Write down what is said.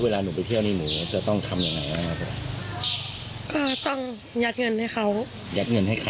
ได้มีการคุยกันก่อนไหม